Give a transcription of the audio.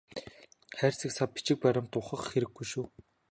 Хайрцаг сав бичиг баримт ухах хэрэггүй шүү.